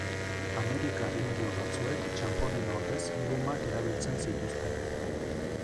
Amerikar indio batzuek txanponen ordez lumak erabiltzen zituzten.